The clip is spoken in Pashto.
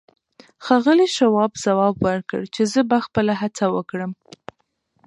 ښاغلي شواب ځواب ورکړ چې زه به خپله هڅه وکړم.